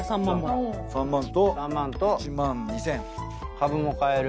株も買える。